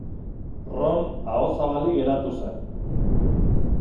Ron aho zabalik geratu zen.